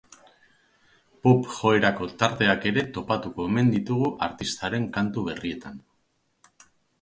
Pop joerako tarteak ere topatuko omen ditugu artistaren kantu berrietan.